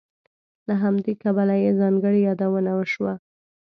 له همدې کبله یې ځانګړې یادونه وشوه.